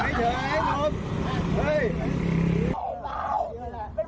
ไอ้บีมอะ